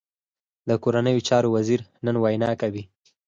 د کورنیو چارو وزیر نن وینا کوي